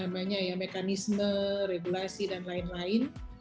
obat itu kan sudah melalui mekanisme regulasi dan lain lain